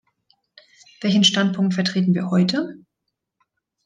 Welchen Standpunkt vertreten wir heute?